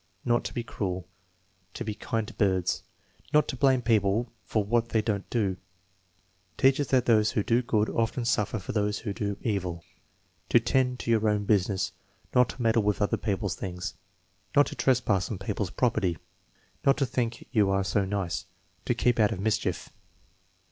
"Not to be cruel." "To be kind to birds." "Not to blame people for what they don't do." *' Teaches that those who do good often suffer for those who do evil." "To tend to your own business." "Not to meddle with other people's things." "Not to trespass on people's property." "Not to think you are so nice." "To keep out of mischief."